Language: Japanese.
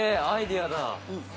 アイデアだ。